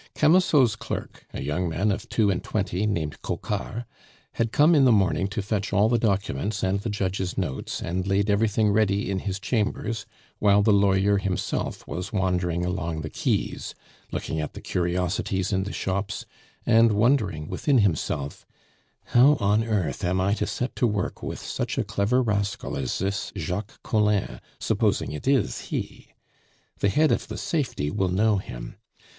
Camusot's clerk, a young man of two and twenty, named Coquart, had come in the morning to fetch all the documents and the judge's notes, and laid everything ready in his chambers, while the lawyer himself was wandering along the quays, looking at the curiosities in the shops, and wondering within himself: "How on earth am I to set to work with such a clever rascal as this Jacques Collin, supposing it is he? The head of the Safety will know him.